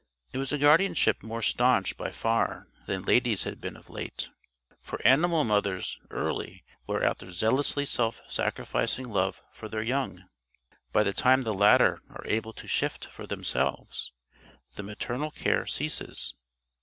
It was a guardianship more staunch by far than Lady's had been of late. For animal mothers early wear out their zealously self sacrificing love for their young. By the time the latter are able to shift for themselves, the maternal care ceases.